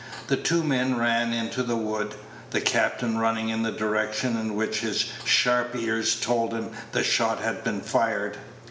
The two men ran into the wood, the captain running in the direction in which his sharp ears told him the shot had been fired.